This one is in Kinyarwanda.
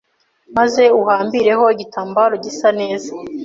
maze uhambireho igitambaro gisa neza